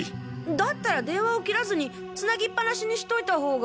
だったら電話を切らずにつなぎっぱなしにしといた方が。